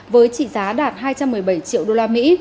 với trị giá đạt hai trăm một mươi bảy triệu usd